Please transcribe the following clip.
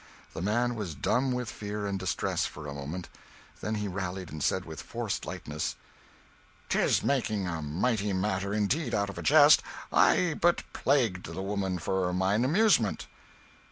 The man was dumb with fear and distress, for a moment; then he rallied, and said with forced lightness "'Tis making a mighty matter, indeed, out of a jest; I but plagued the woman for mine amusement."